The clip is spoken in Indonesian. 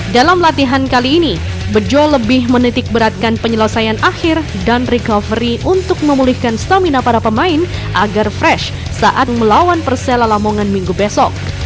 dalam latihan kali ini bejo lebih menitik beratkan penyelesaian akhir dan recovery untuk memulihkan stamina para pemain agar fresh saat melawan persela lamongan minggu besok